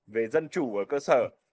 về dân chủ ở cơ sở